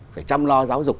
phải chăm lo giáo dục